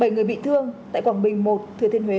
bảy người bị thương tại quảng bình một thừa thiên huế